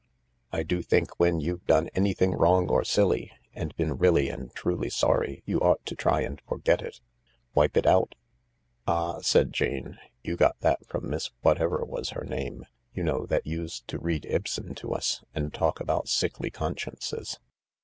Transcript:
I do think when you've done anything wrong or silly, and been really and truly sorry, you ought to try and forget it. Wipe it out." " Ah," said Jane, " you got that from Miss Whatever was her name ; you know, that used to read Ibsen to us and talk about sickly consciences.